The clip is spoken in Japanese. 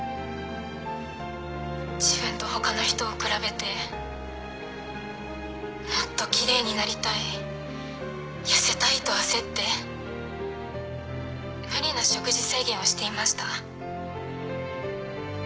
自分と他の人を比べてもっと奇麗になりたい痩せたいと焦って無理な食事制限をしていました。